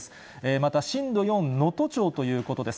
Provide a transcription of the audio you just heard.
また震度４、能登町ということです。